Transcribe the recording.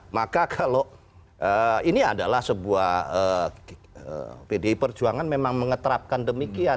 maka kalau ini adalah sebuah pdi perjuangan memang mengeterapkan demikian